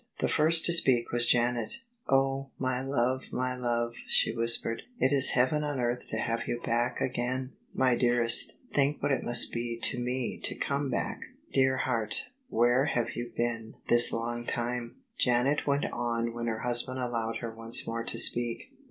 The first to speak was Janet. " Oh ! my love, my love," she whispered, " it is heaven on earth to have you back again !"" My dearest, think what it must be to me to come back! " "Dear heart, where have you been this long time?" Janet went on when her husband allowed her once more to speak.